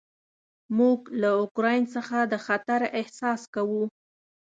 موږ له اوکراین څخه د خطر احساس کوو.